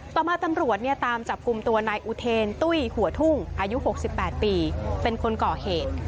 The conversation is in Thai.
ต่อมาตำรวจตามจับกลุ่มตัวนายอุเทนตุ้ยหัวทุ่งอายุ๖๘ปีเป็นคนก่อเหตุ